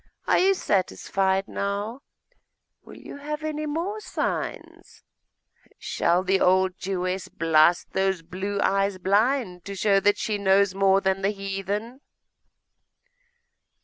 Are you satisfied now? Will you have any more signs? Shall the old Jewess blast those blue eyes blind to show that she knows more than the heathen?